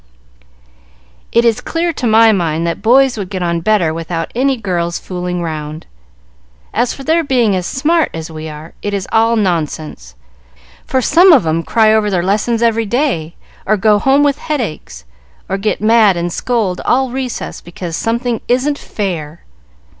"It is clear to my mind that boys would get on better without any girls fooling round. As for their being as smart as we are, it is all nonsense, for some of 'em cry over their lessons every day, or go home with headaches, or get mad and scold all recess, because something 'isn't fair.'